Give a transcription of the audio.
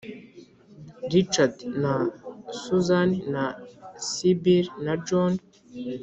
richard na susan na sybil na john,